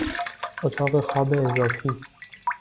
اتاق خواب اضافی